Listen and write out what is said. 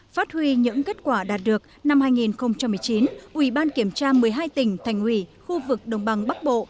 phát huy những kết quả đạt được năm hai nghìn một mươi chín ủy ban kiểm tra một mươi hai tỉnh thành ủy khu vực đồng bằng bắc bộ